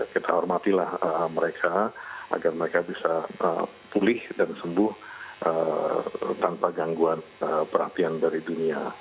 kita hormatilah mereka agar mereka bisa pulih dan sembuh tanpa gangguan perhatian dari dunia